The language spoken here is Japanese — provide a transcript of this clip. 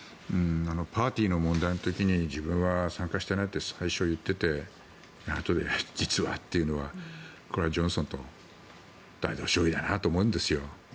パーティーの問題の時に自分は参加していないって最初、言っていてあとで実はっていうのはこれはジョンソンと大同小異だなと思うんですよ。